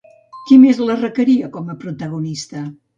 Qui més la requeria com a protagonista?